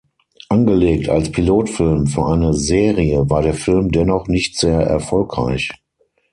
Angelegt als Pilotfilm für eine Serie war der Film dennoch nicht sehr erfolgreich.